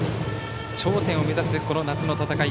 頂点を目指す夏の戦い